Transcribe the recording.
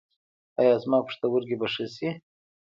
ایا زما پښتورګي به ښه شي؟